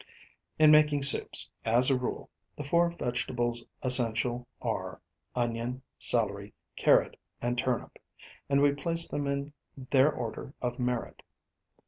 In making soups, as a rule, the four vegetables essential are, onion, celery, carrot and turnip; and we place them in their order of merit.